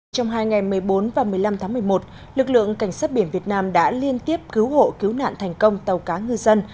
trong hai ngày một mươi bốn và một mươi năm tháng một mươi một lực lượng cảnh sát biển việt nam đã liên tiếp cứu hộ cứu nạn thành công tàu cá ngư dân